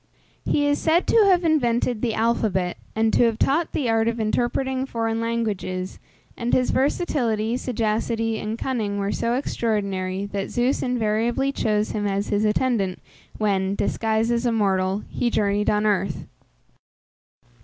He is said to have invented the alphabet, and to have taught the art of interpreting foreign languages, and his versatility, sagacity, and cunning were so extraordinary, that Zeus invariably chose him as his attendant, when, disguised as a mortal, he journeyed on earth.